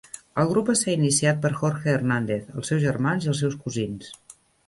El grup va ser iniciat per Jorge Hernández, els seus germans i els seus cosins.